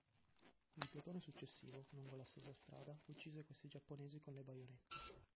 Il plotone successivo, lungo la stessa strada, uccise questi giapponesi con le baionette.